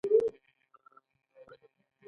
خپله ژبه باید درنه وګڼو.